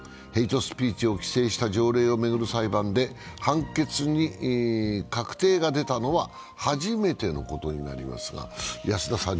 ヘイトスピーチを規制した条例を巡る裁判で、判決に確定が出たのは初めてのことになります。